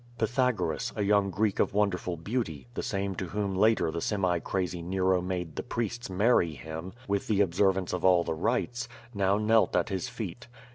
Pythagoras, a young Greek of wonderful beauty, the same to whom later the semi crazy Nero made the prieste marry him, with the observance of all the rites, now knelt at his feet.